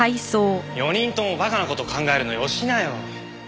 ４人とも馬鹿な事考えるのよしなよ！